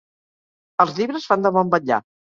Els llibres fan de bon vetllar.